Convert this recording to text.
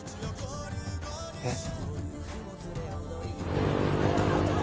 えっ？